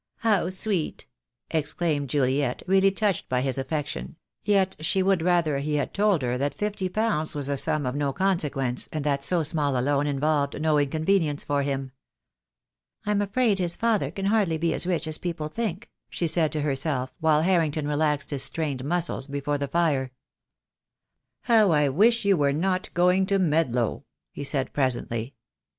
"How sweet!" exclaimed Juliet, really touched by his affection; yet she would rather he had told her that fifty pounds was a sum of no consequence, and that so small a loan involved no inconvenience for him. "I'm afraid his father can hardly be as rich as people think," she said to herself, while Harrington relaxed his strained muscles before the fire. "How I wish you were not going to Medlow," he said presently.